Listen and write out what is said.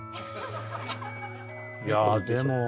いやでも。